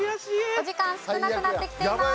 お時間少なくなってきています。